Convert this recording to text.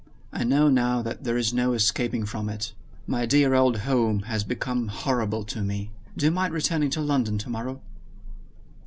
I know now that there is no escaping from it. My dear old home has become horrible to me. Do you mind returning to London tomorrow?"